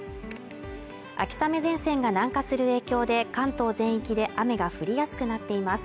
秋雨前線が南下する影響で関東全域で雨が降りやすくなっています